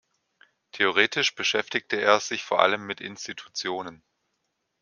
Theoretisch beschäftigte er sich vor allem mit Institutionen.